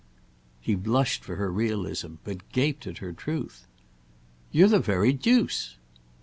He blushed for her realism, but gaped at her truth. "You're the very deuce."